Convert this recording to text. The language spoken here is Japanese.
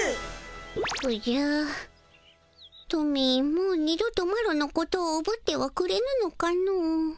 おじゃトミーもう二度とマロのことをおぶってはくれぬのかの？